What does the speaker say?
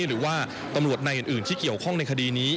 หรือว่าตำรวจนายอื่นที่เกี่ยวข้องในคดีนี้